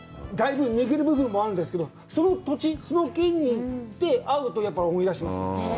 だいぶ抜ける部分もあるんですけど、その土地、その県に行って会うと会うと、やっぱり思い出します。